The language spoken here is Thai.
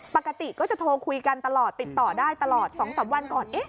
ปกติก็จะโทรคุยกันตลอดติดต่อได้ตลอด๒๓วันก่อน